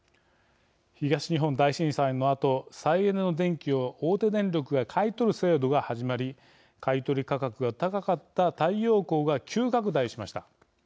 東日本大震災のあと再エネの電気を大手電力が買い取る制度が始まり買い取り価格が高かった太陽光が急拡大しました。